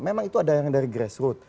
memang itu ada yang dari grassroot